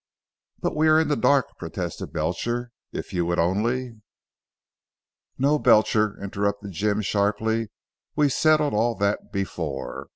"But we are in the dark," protested Belcher, "if you would only " "No, Belcher," interrupted Jim sharply, "we settled all that before.